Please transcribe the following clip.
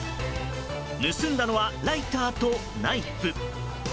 盗んだのはライターとナイフ。